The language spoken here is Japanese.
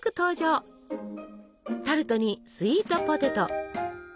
タルトにスイートポテト。